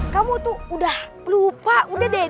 kamu tuh udah lupa udah deh